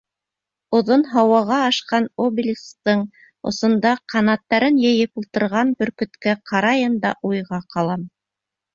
Оҙон, һауаға ашҡан обелисктың осонда ҡанаттарын йәйеп ултырған бөркөткә ҡарайым да уйға ҡалам.